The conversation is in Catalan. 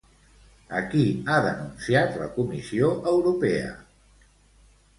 A qui ha denunciat la Comissió Europea?